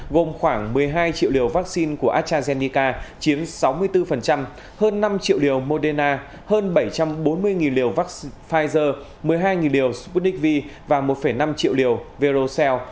gồm khoảng một mươi hai triệu liều vaccine của astrazeneca chiếm sáu mươi bốn hơn năm triệu liều moderna hơn bảy trăm bốn mươi liều vaccine pfizer một mươi hai liều sputnik v và một năm triệu liều verocell